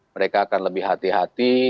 mereka akan lebih hati hati